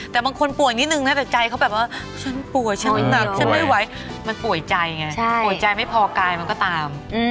แต่บางคนป่วยนิดนึงนะแต่ใจเขาแบบว่าฉันป่วยฉันหนักฉันไม่ไหวมันป่วยใจไงป่วยใจไม่พอกายมันก็ตาม